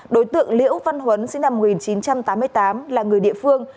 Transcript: đối tượng liễu văn huấn sinh năm một nghìn chín trăm tám mươi tám là người địa phương